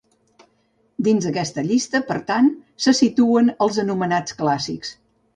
Dins d'aquesta llista, per tant, se situen els anomenats clàssics.